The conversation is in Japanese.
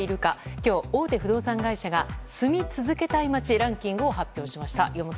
今日、大手不動産会社が住み続けたい街ランキングを発表しました。